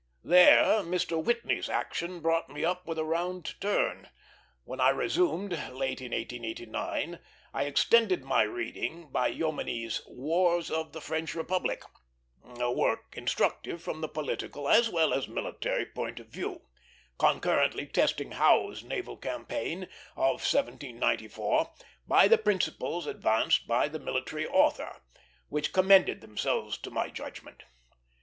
There Mr. Whitney's action brought me up with a round turn. When I resumed, late in 1889, I extended my reading by Jomini's Wars of the French Republic, a work instructive from the political as well as military point of view; concurrently testing Howe's naval campaign of 1794 by the principles advanced by the military author, which commended themselves to my judgment.